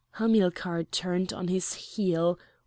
Hamilcar turned on his heel.